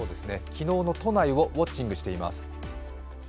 昨日の都内をウォッチングしています。